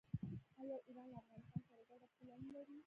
آیا ایران له افغانستان سره ګډه پوله نلري؟